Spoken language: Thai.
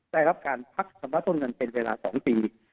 ได้รับการพักชำระต้นเงินเป็นเวลา๒ปี